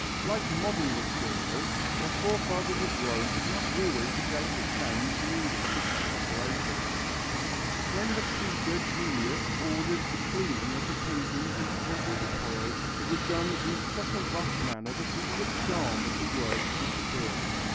Like modern restorers, their forefathers of Rome had not always the delicate hand needed for such operations. When the Prætor Julius ordered the cleaning of the paintings in the temple of Apollo it was done in such a rough manner that all the charm of the works disappeared.